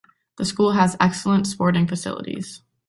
The school has excellent sporting facilities.